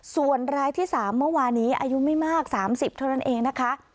ส่วนรายที่๓เมื่อวานี้อายุไม่มาก๓๐เท่านั้นเองนะคะ